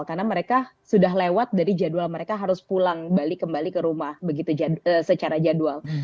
karena mereka sudah lewat dari jadwal mereka harus pulang balik kembali ke rumah begitu secara jadwal